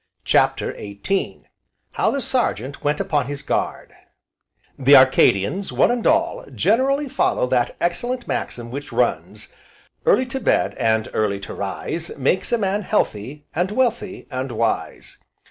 CHAPTER XVIII How the Sergeant went upon his guard The Arcadians, one and all, generally follow that excellent maxim which runs: "Early to bed, and early to rise Makes a man healthy, and wealthy, and wise."